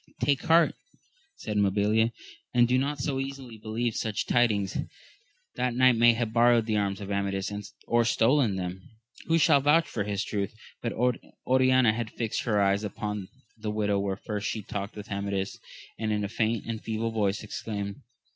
Take heart, said Mabilia, and do not so readily believe such tidings ; that knight may have borrowed the arms of Amadis, or stolen them : who shall vouch for his truth ? But Oriana had fixed her eyes upon the window where first she talked with Amadis, and in a faint and feeble voice exclaimed.